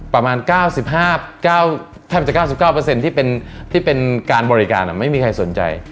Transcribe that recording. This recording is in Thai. ประมาณ๙๕แทบจะ๙๙ที่เป็นการบริการไม่มีใครสนใจ